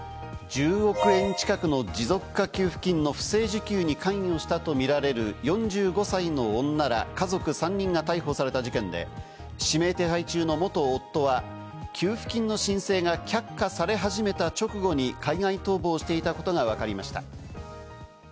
１０億円近くの持続化給付金の不正受給に関与したとみられる４５歳の女ら家族３人が逮捕された事件で、指名手配中の元夫は給付金の申請が却下され始めた直後に海外逃亡していたことがわかりました。